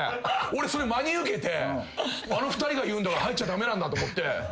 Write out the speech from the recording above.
俺それ真に受けてあの２人が言うんだから入っちゃ駄目なんだと思って。